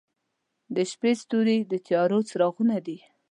• د شپې ستوري د تیارو څراغونه دي.